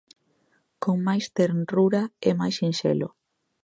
Con máis tenrura e máis sinxelo.